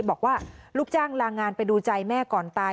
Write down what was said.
บอกว่าลูกจ้างลางานไปดูใจแม่ก่อนตาย